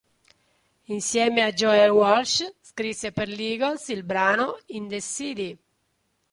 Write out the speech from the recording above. Insieme a Joe Walsh scrisse per gli Eagles il brano "In the city".